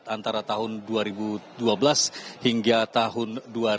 antara tahun dua ribu dua belas hingga tahun dua ribu dua puluh